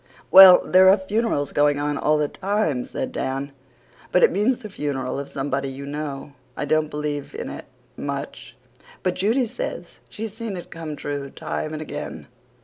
"Well, there are funerals going on all the time," said Dan. "But it means the funeral of somebody you know. I don't believe in it MUCH but Judy says she's seen it come true time and again.